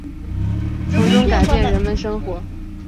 从中改变人们生活